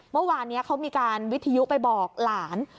เมื่อวานนี้เขามีการวิทยุไปบอกหลาน